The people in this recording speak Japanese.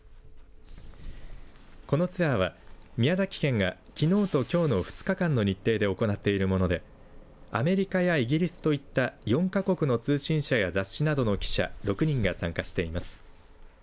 このツアーは宮崎県が、きのうと、きょうの２日間の日程で行っているものでアメリカやイギリスといった４カ国の通信社や雑誌などの記者６人が参加しています。